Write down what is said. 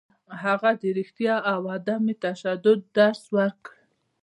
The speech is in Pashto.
هغه د رښتیا او عدم تشدد درس ورکړ.